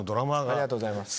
ありがとうございます。